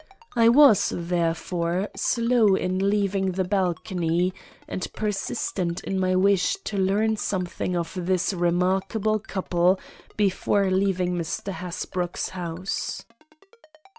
I was therefore slow in leaving the balcony, and persistent in my wish to learn something of this remarkable couple before leaving Mr. Hasbrouck's house.